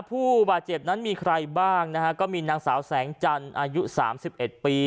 ผู้บาดเจ็บนั้นมีใครบ้างนะฮะก็มีนางสาวแสงจันทร์อายุสามสิบเอ็ดปี